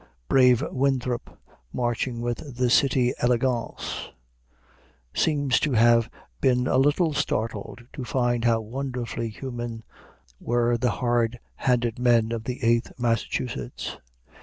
Brave Winthrop, marching with the city élégants, seems to have been a little startled to find how wonderfully human were the hard handed men of the Eighth Massachusetts.